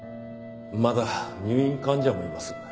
まだ入院患者もいます。